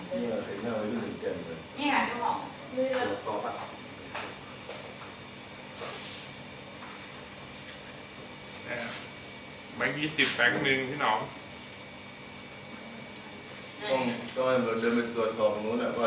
ก็ยังไม่เกิดของนู้นแต่เจ้ามันจะดึงไม้ออกหนึ่งหน่อย